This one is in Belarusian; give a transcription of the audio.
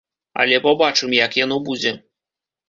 Але пабачым як яно будзе.